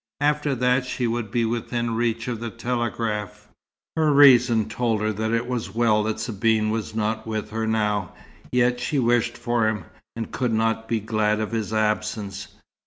After that she would be within reach of the telegraph. Her reason told her it was well that Sabine was not with her now, yet she wished for him, and could not be glad of his absence.